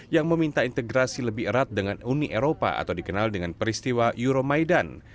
yang meminta integrasi lebih erat dengan uni eropa atau dikenal dengan peristiwa euromaidan